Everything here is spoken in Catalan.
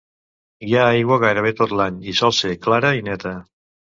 Hi ha aigua gairebé tot l'any i sol ser clara i neta.